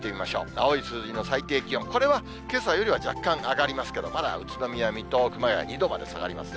青い数字の最低気温、これはけさよりは若干上がりますけど、まだ宇都宮、水戸、熊谷２度まで下がりますね。